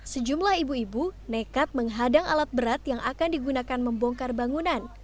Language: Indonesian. sejumlah ibu ibu nekat menghadang alat berat yang akan digunakan membongkar bangunan